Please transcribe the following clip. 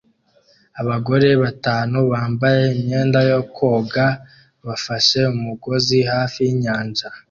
Abagore batanu bambaye imyenda yo koga bafashe umugozi hafi yinyanja